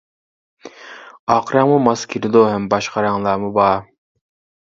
ئاق رەڭمۇ ماس كېلىدۇ ھەم باشقا رەڭلەرمۇ بار.